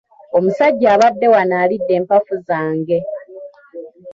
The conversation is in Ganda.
Omusajja abadde wano alidde empafu zange.